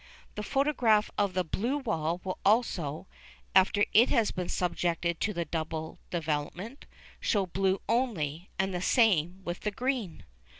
The photograph of the blue wall will also, after it has been subjected to the double development, show blue only, and the same with the green.